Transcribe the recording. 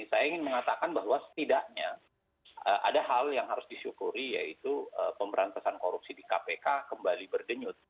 saya ingin mengatakan bahwa setidaknya ada hal yang harus disyukuri yaitu pemberantasan korupsi di kpk kembali berdenyut